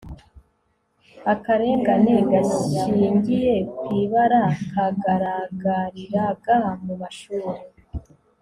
akarengane gashingiye ku ibara kagaragariraga mu mashuri